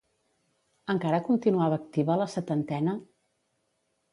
Encara continuava activa a la setantena?